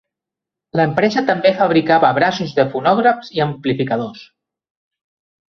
L'empresa també fabricava braços de fonògrafs i amplificadors.